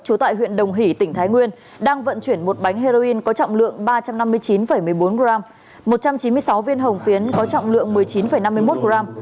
trú tại huyện đồng hỷ tỉnh thái nguyên đang vận chuyển một bánh heroin có trọng lượng ba trăm năm mươi chín một mươi bốn g một trăm chín mươi sáu viên hồng phiến có trọng lượng một mươi chín năm mươi một gram